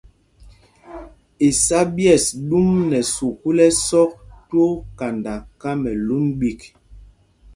Isá ɓyɛ̂ɛs ɗum nɛ sukûl ɛsɔk twóó kanda Kamɛlûn ɓîk.